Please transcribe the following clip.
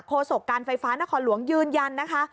โศกการไฟฟ้านครหลวงยืนยันนะคะ